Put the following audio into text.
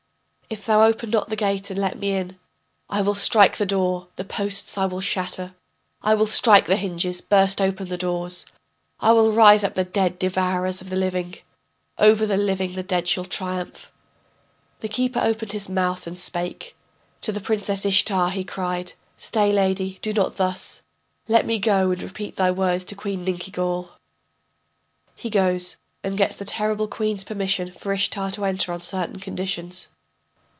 If thou open not the gate and let me in, I will strike the door, the posts I will shatter, I will strike the hinges, burst open the doors, I will raise up the dead devourers of the living, Over the living the dead shall triumph. The keeper opened his mouth and spake, To the Princess Ishtar he cried: Stay, lady, do not thus, Let me go and repeat thy words to Queen Ninkigal. [He goes and gets the terrible queen's permission for Ishtar to enter on certain conditions.